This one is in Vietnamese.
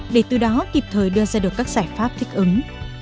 để từ đó kịp thời đưa ra được các giải pháp thích ứng